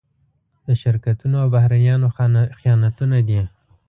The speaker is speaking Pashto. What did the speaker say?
د شرکتونو او بهرنيانو خیانتونه دي.